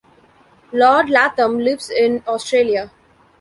Lord Latham lives in Australia.